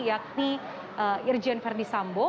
yakni irjen verdi sambo